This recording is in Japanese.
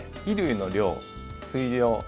衣類の量水量